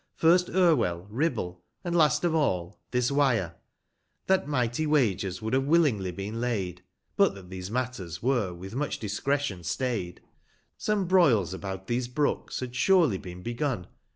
179 First Erivell, Bibhell then, and last of all this TVyre, no That mighty wagers Avould haA^e willingly been laid, (But that these matters were with much discretion stay'd) Some broils about these Brooks had surely been begun.